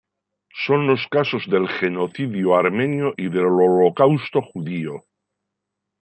Son los casos del Genocidio Armenio y del Holocausto Judío.